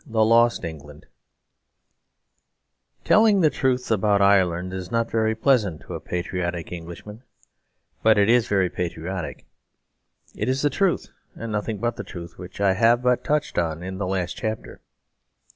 V The Lost England Telling the truth about Ireland is not very pleasant to a patriotic Englishman; but it is very patriotic. It is the truth and nothing but the truth which I have but touched on in the last chapter.